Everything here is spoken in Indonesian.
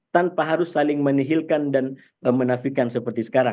tanpa harus saling menihilkan dan menafikan seperti sekarang